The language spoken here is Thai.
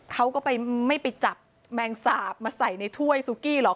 เขาก็ไปไม่ไปจับแมงสาบมาใส่ในถ้วยซูกี้หรอก